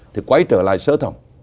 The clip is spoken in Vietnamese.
thì quay trở lại sơ thầm